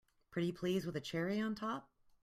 Pretty please with a cherry on top!